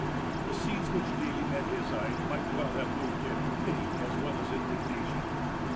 The scenes which daily met his eye might well have moved him to pity as well as indignation.